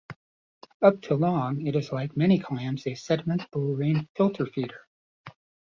Up to long, it is like many clams a sediment-burrowing filter feeder.